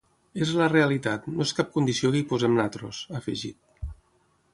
“És la realitat, no és cap condició que hi posem nosaltres”, ha afegit.